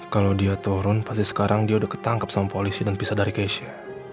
kalau dia turun pasti sekarang dia udah ketangkep sama polisi dan pisa dari keisha